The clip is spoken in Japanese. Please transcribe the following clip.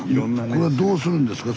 これどうするんですか？